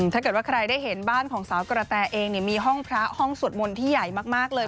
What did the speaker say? ถ้าเกิดว่าใครได้เห็นบ้านของสาวกระแตเองมีห้องพระห้องสวดมนต์ที่ใหญ่มากเลย